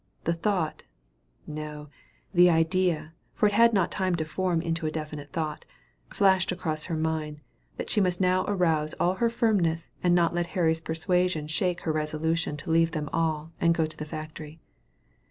The thought no, the idea, for it had not time to form into a definite thought flashed across her mind, that she must now arouse all her firmness, and not let Henry's persuasion shake her resolution to leave them all, and go to the factory.